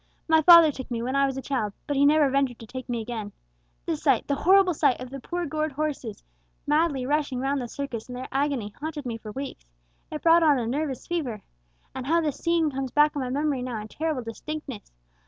"My father took me when I was a child; but he never ventured to take me again. The sight the horrible sight of the poor gored horses madly rushing round the circus in their agony haunted me for weeks, it brought on a nervous fever! And how the scene comes back on my memory now in terrible distinctness!